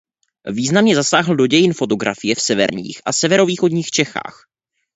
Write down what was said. Významně zasáhl do dějin fotografie v severních a severovýchodních Čechách.